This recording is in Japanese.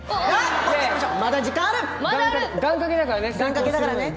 願かけだからね。